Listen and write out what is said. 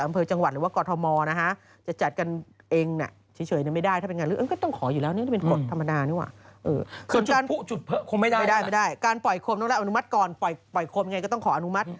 ปล่อยโคมยังไงก็ต้องขออนุมัติ